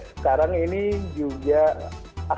sekarang ini juga